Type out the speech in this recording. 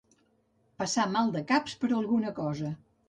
Passar maldecaps per alguna cosa.